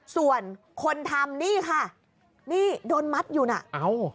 ส่วนคนทำนี่ค่ะนี่โดนมัดอยู่น่ะเอ้า